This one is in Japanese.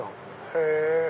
へぇ。